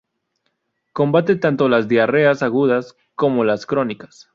Combate tanto las diarreas agudas como las crónicas.